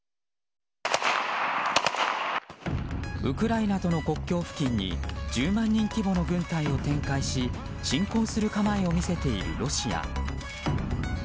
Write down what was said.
ウクライナとの国境付近に１０万人規模の軍隊を展開し侵攻する構えを見せているロシア。